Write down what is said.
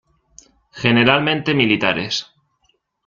Generalmente militares.